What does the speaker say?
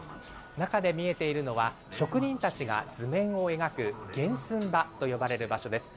中で見えているのは、職人たちが図面を描く、原寸場と呼ばれる場所です。